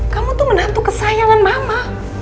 kamu tuh menantu kesayangan mama